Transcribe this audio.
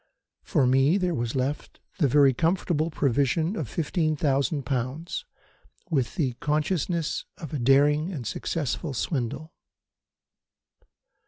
For me there was left the very comfortable provision of 15,000 pounds, with the consciousness of a daring and successful swindle.